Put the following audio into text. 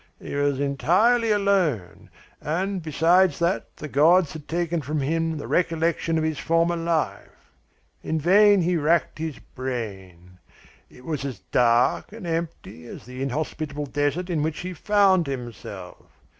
"He was entirely alone, and, besides that, the gods had taken from him the recollection of his former life. In vain he racked his brain it was as dark and empty as the inhospitable desert in which he found himself.